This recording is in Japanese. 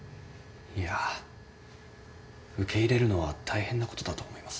いや受け入れるのは大変なことだと思います。